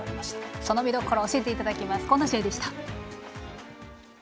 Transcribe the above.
その見どころ教えていただきます。